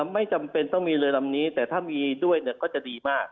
ไม่จำเป็นต้องมีเรือลำนี้แต่ถ้ามีด้วยก็จะดีมาก